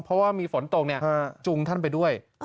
เพราะว่ามีฝนตกจุงท่านไปด้วย